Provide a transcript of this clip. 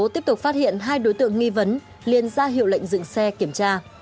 tiếp tục phát hiện hai đối tượng nghi vấn liên ra hiệu lệnh dừng xe kiểm tra